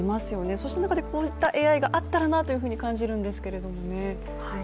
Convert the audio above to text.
そういった中でこういったＡＩがあればなと感じるんですがね。